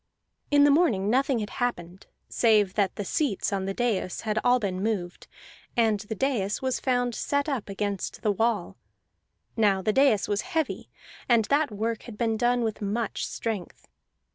In the morning nothing had happened save that the seats on the dais had all been moved, and the dais was found set up against the wall. Now the dais was heavy, and that work had been done with much strength.